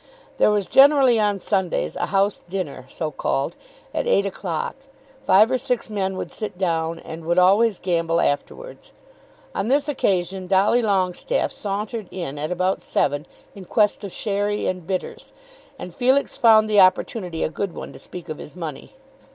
There was generally on Sundays a house dinner, so called, at eight o'clock. Five or six men would sit down, and would always gamble afterwards. On this occasion Dolly Longestaffe sauntered in at about seven in quest of sherry and bitters, and Felix found the opportunity a good one to speak of his money.